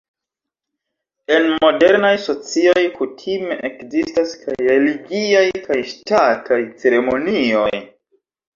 En modernaj socioj kutime ekzistas kaj religiaj kaj ŝtataj ceremonioj.